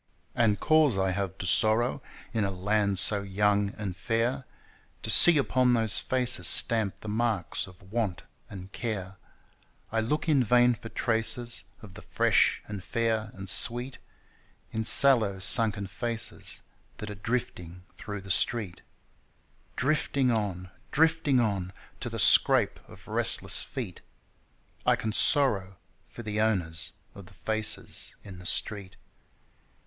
And cause I have to sorrow, in a land so young and fair, To see upon those faces stamped the marks of Want and Care ; I look in vain for traces of the fresh and fair and sweet Tn sallow, sunken faces that are drifting through the street Drifting on, drifting on, To the scrape of restless feet ; I can sorrow for the owners of the faces in the street.